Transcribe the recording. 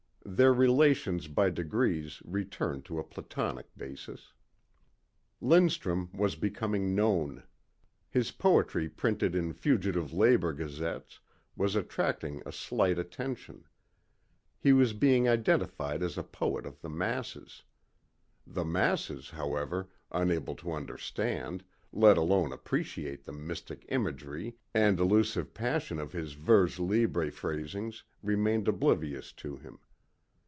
Their relations by degrees returned to a platonic basis. Lindstrum was becoming known. His poetry printed in fugitive labor gazettes was attracting a slight attention. He was being identified as a poet of the masses. The masses, however, unable to understand, let alone appreciate the mystic imagery and elusive passion of his vers libre phrasings remained oblivious to him.